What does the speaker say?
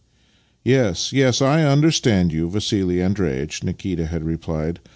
" Yes, yes, I understand you, Vassili Andreitch," Nikita had replied.